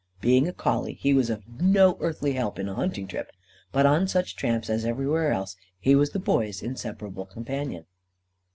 Being a collie, he was of no earthly help in a hunting trip; but, on such tramps, as everywhere else, he was the Boy's inseparable companion.